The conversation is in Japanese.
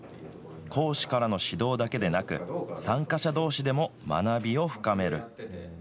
講師からの指導だけでなく、参加者どうしでも学びを深める。